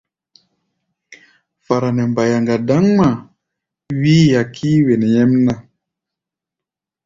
Fara nɛ mbayaŋa dáŋ ŋmaá, wíí-a kíí wen nyɛmná.